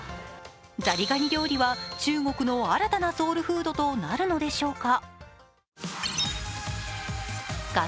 ザリガニ料理は中国の新たなソウルフードとなるのでしょうか。